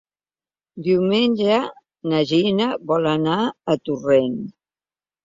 Diumenge na Gina vol anar a Torrent.